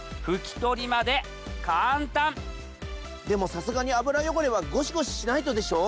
でもさすがに油汚れはゴシゴシしないとでしょ？